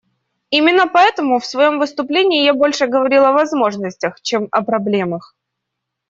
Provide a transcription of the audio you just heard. Именно поэтому в своем выступлении я больше говорил о возможностях, чем о проблемах.